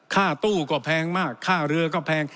ค่าตู้ก็แพงมากค่าเรือก็แพง